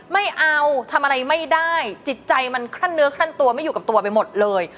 ไม่เอาทำอะไรไม่ได้จิตใจมันคลั่นเนื้อคลั่นตัวไม่อยู่กับตัวไปหมดเลย